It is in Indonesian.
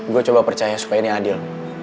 gue coba percaya supaya ini adil